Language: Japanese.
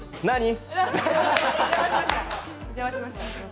何？